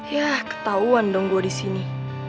yah ketauan dong gue di sini